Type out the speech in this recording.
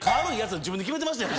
自分で決めてましたやん。